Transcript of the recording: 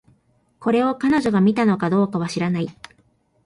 これを、彼女が見たのかどうかは知らない